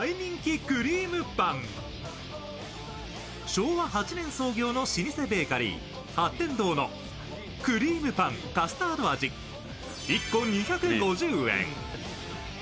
昭和８年創業の老舗ベーカリー・八天堂のくりーむパン・カスタード味、１個２５０円。